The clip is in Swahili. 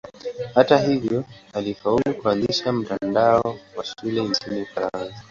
Hata hivyo alifaulu kuanzisha mtandao wa shule nchini Ufaransa.